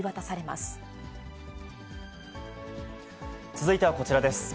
続いてはこちらです。